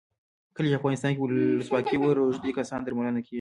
کله چې افغانستان کې ولسواکي وي روږدي کسان درملنه کیږي.